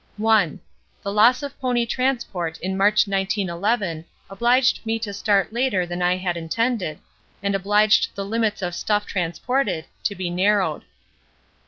1. The loss of pony transport in March 1911 obliged me to start later than I had intended, and obliged the limits of stuff transported to be narrowed.